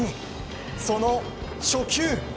その初球。